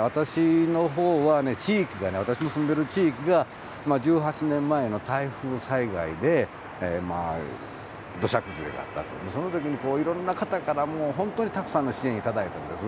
私のほうは、地域がね、私の住んでる地域が１８年前の台風災害で土砂崩れがあって、そのときにいろんな方から、もう本当にたくさんの支援いただいたんです。